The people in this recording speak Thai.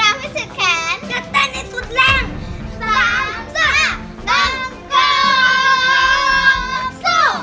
จะเต้นให้สุดแร่ง